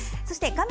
画面